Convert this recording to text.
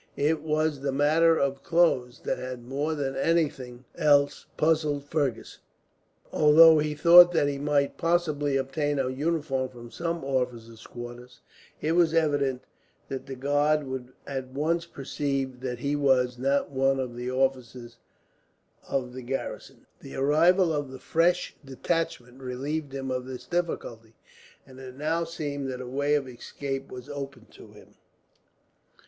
It was the matter of clothes that had, more than anything else, puzzled Fergus; for although he thought that he might possibly obtain a uniform from some officer's quarters, it was evident that the guard would at once perceive that he was not one of the officers of the garrison. The arrival of the fresh detachment relieved him of this difficulty, and it now seemed that a way of escape was open to him.